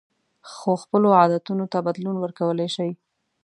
خو خپلو عادتونو ته بدلون ورکولی شئ.